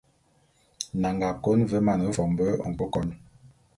Nnanga kôn ve mane fombô nkôkon.